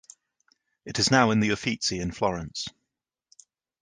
It is now in the Uffizi in Florence.